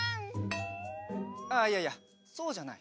ああいやいやそうじゃない。